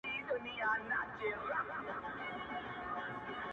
• د رندانو په محفل کي د مستۍ په انجمن کي -